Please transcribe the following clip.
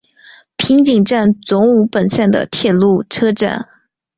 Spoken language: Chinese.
平井站总武本线的铁路车站。